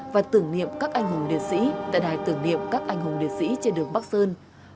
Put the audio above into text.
và tưởng niệm các anh hùng liệt sĩ tại đài tưởng niệm các anh hùng liệt sĩ trên đường bắc sơn